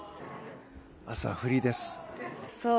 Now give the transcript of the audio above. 明日はフリーです。